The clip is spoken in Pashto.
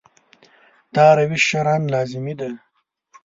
دا روش شرعاً لازمي دی.